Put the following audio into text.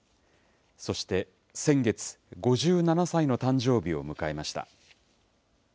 そして先月、５７歳の誕生日を迎えました。